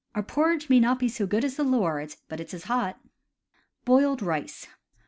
"Our parritch may nae be sae gude as the laird's, but it's as hot!" Boiled Rice.